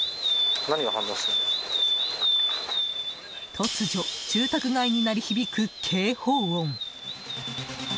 突如、住宅街に鳴り響く警報音。